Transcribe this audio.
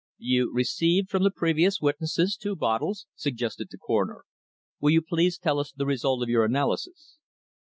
"You received from the previous witnesses two bottles?" suggested the Coroner. "Will you please tell us the result of your analysis?"